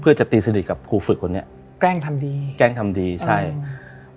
เพื่อจะตีสนิทกับครูฝึกคนนี้แกล้งทำดีแกล้งทำดีใช่